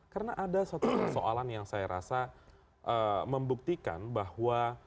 karena ada satu persoalan yang saya rasa membuktikan bahwa